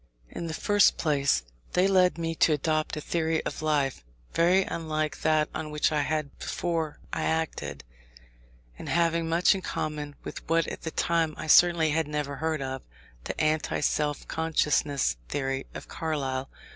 In the first place, they led me to adopt a theory of life, very unlike that on which I had before I acted, and having much in common with what at that time I certainly had never heard of, the anti self consciousness theory of Carlyle.